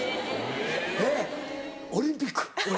えっオリンピック？